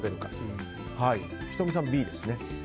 仁美さん、Ｂですね。